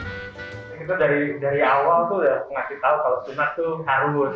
kita dari awal tuh ngasih tau kalau sinar tuh harus